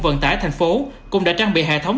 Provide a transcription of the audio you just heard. vận tải thành phố cũng đã trang bị hệ thống